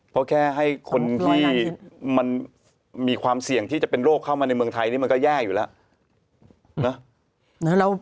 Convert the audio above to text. เพราะแค่ให้คนที่มันมีความเสี่ยงที่จะเป็นโรคเข้ามาในเมืองไทยนี่มันก็แย่อยู่แล้ว